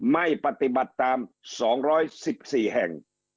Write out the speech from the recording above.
ไม่ปฏิบัติตาม๒๑๔แห่ง